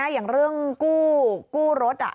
อย่างเรื่องกู้รถ